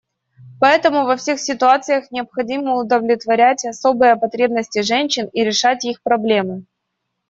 Поэтому во всех ситуациях необходимо удовлетворять особые потребности женщин и решать их проблемы.